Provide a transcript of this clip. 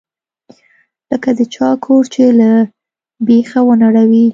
لکه د چا کور چې له بيخه ونړوې.